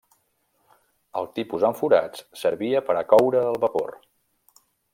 El tipus amb forats servia per a coure al vapor.